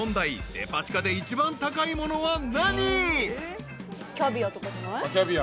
［デパ地下で一番高いものは何？］